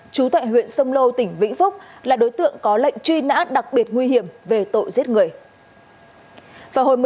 chú tại huyện sông lô tỉnh vĩnh phúc là đối tượng có lệnh truy nã đặc biệt nguy hiểm về tội giết người